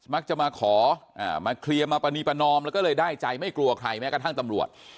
มักจะมาขอมาเคลียร์มาปรณีประนอมแล้วก็เลยได้ใจไม่กลัวใครแม้กระทั่งตำรวจ